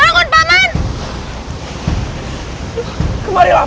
masaklah di atas mentega ya kakak